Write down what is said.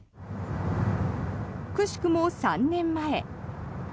くしくも３年前。